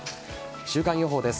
週間予報です。